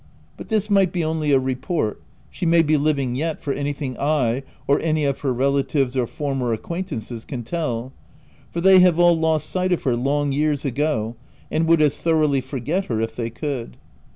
But this might be only a report : she may be living yet for anything I, or any of her relatives or former acquaintances can tell ; for they have all lost sight of her long years ago, and would as thoroughly forget her if they could.